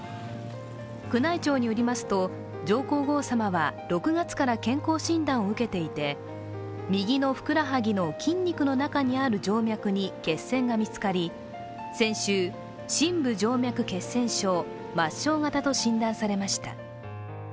宮内庁によりますと、上皇后さまは６月から健康診断を受けていて、右のふくらはぎの筋肉の中にある静脈に血栓が見つかり、先週、深部静脈血栓症抹消型と診断されました。